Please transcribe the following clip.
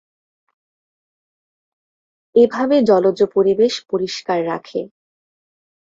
এভাবে জলজ পরিবেশ পরিষ্কার রাখে।